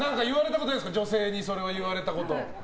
過去に女性にそれを言われたことは。